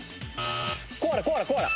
コアラコアラコアラ。